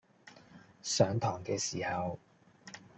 上堂嘅時候